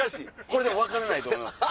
これでも分からないと思います。